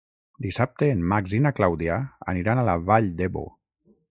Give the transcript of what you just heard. Dissabte en Max i na Clàudia aniran a la Vall d'Ebo.